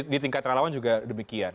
di tingkat relawan juga demikian